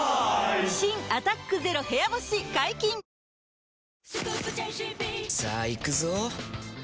新「アタックＺＥＲＯ部屋干し」解禁‼いい汗。